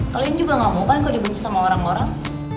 kalian juga gak mau kan kalo dibenci sama orang orang